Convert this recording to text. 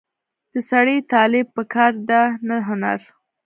د سړي طالع په کار ده نه هنر.